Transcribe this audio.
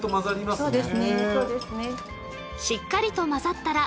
そうです